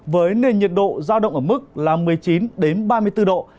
với nền nhiệt độ giao động ở mức một mươi chín ba mươi bốn độ